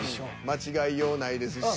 間違いようないですし。